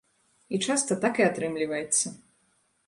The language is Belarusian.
І часта так і атрымліваецца.